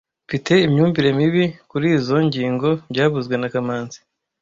Mfite imyumvire mibi kurizoi ngingo byavuzwe na kamanzi